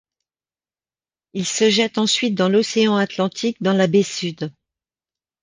Il se jette ensuite dans l'océan Atlantique, dans la baie Sud.